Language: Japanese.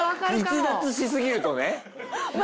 逸脱しすぎるとね。